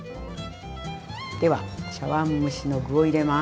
では茶碗蒸しの具を入れます。